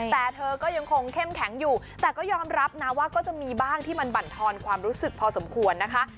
แต่เธอก็ยังคงเข้มแข็งอยู่แต่ก็ยอมรับนะว่าก็จะมีบ้างที่มันบรรทอนความรู้สึกพอสมควรนะคะ